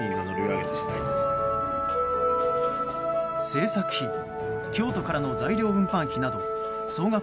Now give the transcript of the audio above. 製作費京都からの材料運搬費など総額